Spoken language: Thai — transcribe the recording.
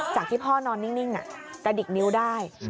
จากที่พ่อนอนนิ่งกระดิกนิ้วได้